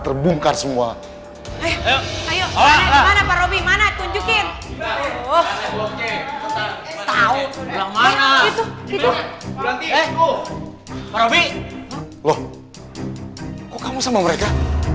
kok kamu sama mereka